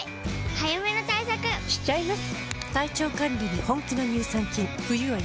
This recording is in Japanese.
早めの対策しちゃいます。